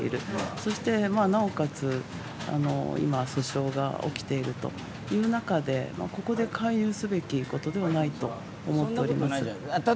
そしてなおかつ、今訴訟が起きているという中で、ここで介入すべきことではないと思います。